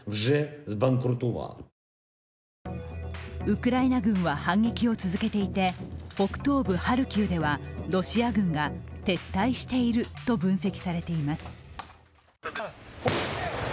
ウクライナ軍は反撃を続けていて北東部ハルキウでは、ロシア軍が撤退していると分析されています。